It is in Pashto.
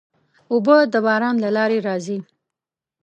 اوبه د باران له لارې راځي.